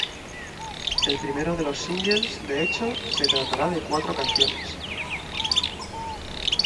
El primero de los singles, de hecho, se tratará de cuatro canciones.